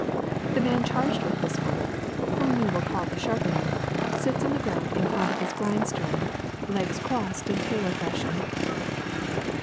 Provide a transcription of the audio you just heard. The man charged with this work, whom we will call the sharpener, sits on the ground in front of his grindstone, legs crossed in tailor fashion.